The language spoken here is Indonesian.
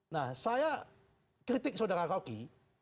nah saya kritik saudara rocky